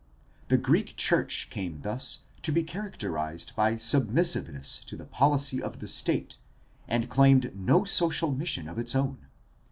The Greek church came thus to be characterized by submis siveness to the policy of the state and claimed no social mission of its own.